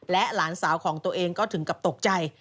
หลานสาวของตัวเองก็ถึงกับตกใจ